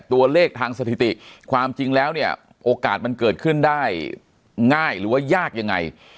ตัวเลขทางสถิติความจริงแล้วเนี่ยโอกาสมันเกิดขึ้นได้ง่ายหรือว่ายากยังไง